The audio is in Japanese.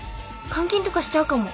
監禁とかしちゃうかも。